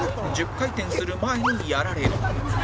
回転する前にやられる